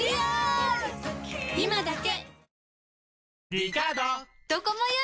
今だけ！